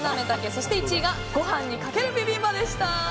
そして１位がご飯にかけるビビンバでした。